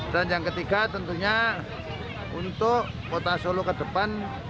yang ketiga tentunya untuk kota solo ke depan